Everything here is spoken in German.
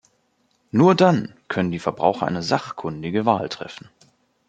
Nur dann können die Verbraucher eine sachkundige Wahl treffen.